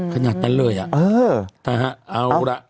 ขนาดแปลเลยอ่ะหือได้ฮะเอาละ